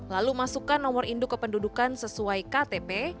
lalu masukkan nomor induk kependudukan sesuaikan